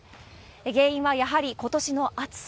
原因はやはり、ことしの暑さ。